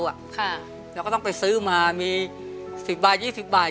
เราก็ต้องไปซื้อมามีสิบบาทยี่สิบบาท